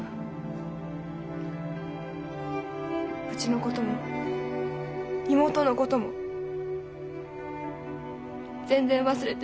うちのことも妹のことも全然忘れてた。